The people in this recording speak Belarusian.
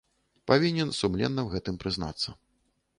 Павінен сумленна ў гэтым прызнацца.